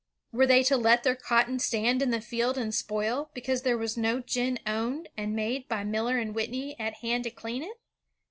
Were they to let their cotton stand in the field and spoil, because there was no gin owned and made by Miller and Whitney at hand to clean it?